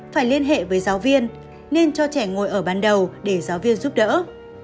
phải liên hệ với giáo viên nên cho trẻ ngồi ở ban đầu để giáo viên giúp đỡ